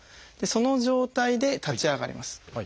その状態で立ち上がります。